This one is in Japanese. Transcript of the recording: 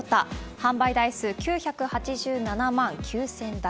販売台数９８７万９０００台。